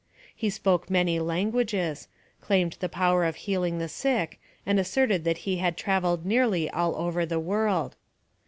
He spoke many languages, claimed the power of healing the sick, and asserted that he had travelled nearly all over the world.